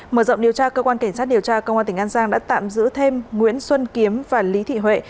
mở rộng điều tra cơ quan cảnh sát điều tra công an tỉnh an giang đã tạm giữ thêm nguyễn xuân kiếm và lý thị huệ